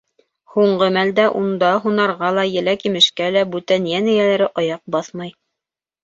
Һуңғы мәлдә унда һунарға ла, еләк-емешкә лә бүтән йән эйәләре аяҡ баҫмай.